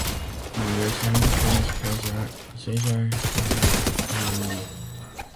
Le syndicaliste paysan César Chávez y est né.